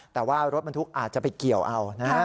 แต่ว่ารถบรรทุกอาจจะไปเกี่ยวเอานะฮะ